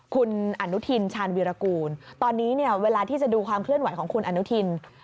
คุณอนุทินชาญวีรกูลตอนนี้เนี่ยเวลาที่จะดูความเคลื่อนไหวของคุณอนุทิน